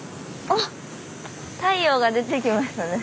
あっ太陽が出てきましたね。